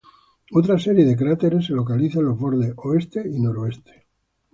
Otra serie de cráteres se localiza en los bordes oeste y noroeste.